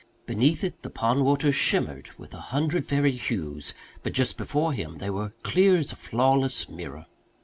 Beneath it the pond waters shimmered with a hundred fairy hues, but just before him they were clear as a flawless mirror.